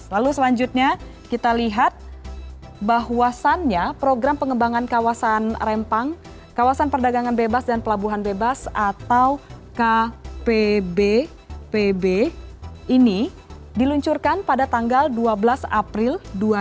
lalu selanjutnya kita lihat bahwasannya program pengembangan kawasan rempang kawasan perdagangan bebas dan pelabuhan bebas atau kpbpb ini diluncurkan pada tanggal dua belas april dua ribu dua puluh